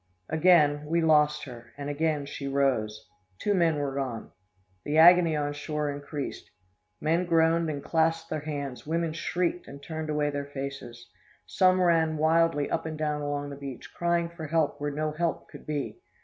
"Again, we lost her, and again she rose. Two men were gone. The agony on shore increased. Men groaned and clasped their hands, women shrieked and turned away their faces. Some ran wildly up and down along the beach, crying for help where no help could be.